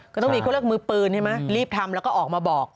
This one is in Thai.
ก็ต้องมีเขาเรียกมือปืนใช่ไหมรีบทำแล้วก็ออกมาบอก